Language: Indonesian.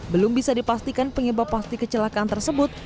belum bisa dipastikan penyebab pasti kecelakaan tersebut